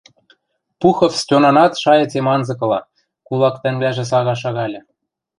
Пухов Стьонанат шайыцем анзыкыла, кулак тӓнгвлӓжӹ сага шагальы...